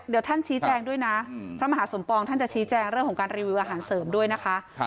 เดี๋ยวท่านชี้แจงด้วยนะพระมหาสมปองท่านจะชี้แจงเรื่องของการรีวิวอาหารเสริมด้วยนะคะ